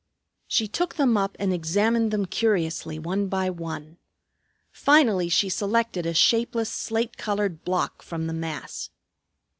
She took them up and examined them curiously one by one. Finally she selected a shapeless slate colored block from the mass.